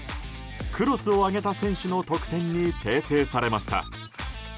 クロスを上げた選手の得点に訂正されました。